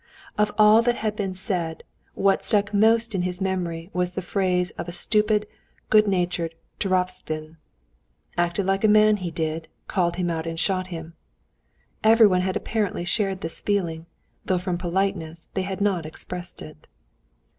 Of all that had been said, what stuck most in his memory was the phrase of stupid, good natured Turovtsin—"Acted like a man, he did! Called him out and shot him!" Everyone had apparently shared this feeling, though from politeness they had not expressed it.